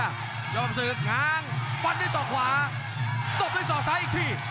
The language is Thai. ยอดปรับศึกห้างฟันด้วยสอขวาตบด้วยสอซ้ายอีกที